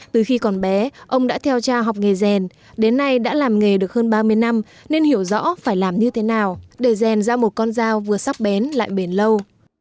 từ khi còn bé ông đã theo cha học nghề rèn đến nay đã làm nghề được hơn ba mươi năm nên hiểu rõ phải làm như thế nào để rèn ra một con dao vừa sắc bén lại bền lâu